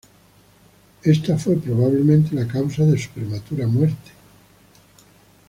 Esta fue probablemente la causa de su prematura muerte.